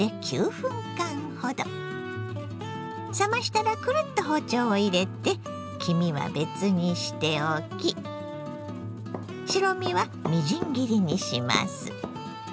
冷ましたらクルッと包丁を入れて黄身は別にしておき白身はみじん切りにします。